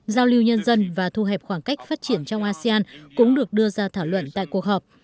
giao lưu nhân dân và thu hẹp khoảng cách phát triển trong asean cũng được đưa ra thảo luận tại cuộc họp